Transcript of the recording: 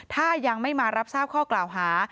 ถ้ายังไม่มารับทราบข้อกล่าวหา